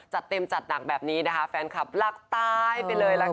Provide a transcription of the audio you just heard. จัดเต็มจัดหนักแบบนี้นะคะแฟนคลับหลักตายไปเลยล่ะค่ะ